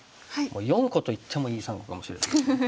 ４個と言ってもいい３個かもしれないですね。